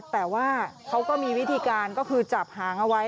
แต่ว่าเขาก็มีวิธีการก็คือจับหางเอาไว้